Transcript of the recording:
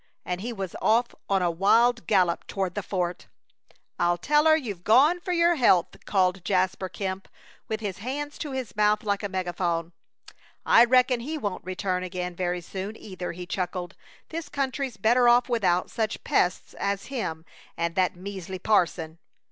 And he was off on a wild gallop toward the fort. "I'll tell her you've gone for your health!" called Jasper Kemp, with his hands to his mouth like a megaphone. "I reckon he won't return again very soon, either," he chuckled. "This country's better off without such pests as him an' that measley parson."